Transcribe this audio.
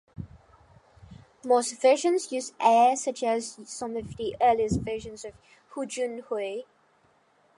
Most versions use air, such as some of the earliest versions by Hu Junhui.